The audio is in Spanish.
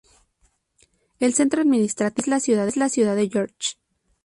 El centro administrativo es la ciudad de George.